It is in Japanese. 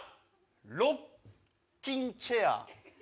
ロッキングチェア。